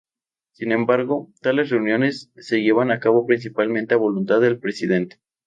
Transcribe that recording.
Sin embargo, tales reuniones se llevan a cabo principalmente a voluntad del Presidente.